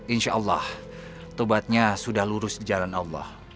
insya allah tobatnya sudah lurus di jalan allah